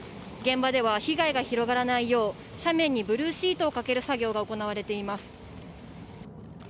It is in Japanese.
現場では被害が広がらないよう斜面にブルーシートをかける作業が行われています。